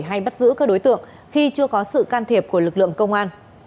hay bắt giữ các đối tượng khi chưa có sự can thiệp của lực lượng công an